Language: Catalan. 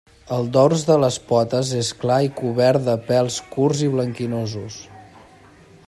El dors de les potes és clar i cobert de pèls curts i blanquinosos.